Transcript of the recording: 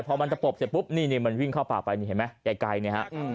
พอมันตะปบเสร็จปุ๊บนี่มันวิ่งเข้าป่าไปนี่เห็นไหมไกลเนี่ยฮะ